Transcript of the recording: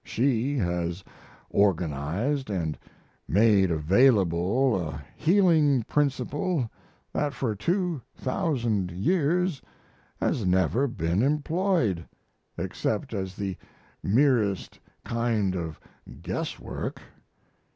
She has organized and made available a healing principle that for two thousand years has never been employed, except as the merest kind of guesswork.